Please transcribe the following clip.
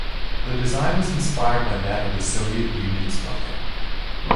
The design was inspired by that of the Soviet Union's flag.